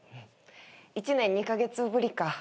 １年２カ月ぶりか。